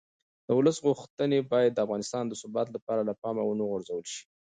د ولس غوښتنې باید د افغانستان د ثبات لپاره له پامه ونه غورځول شي